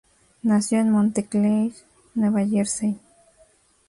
Nació en Montclair, Nueva Jersey.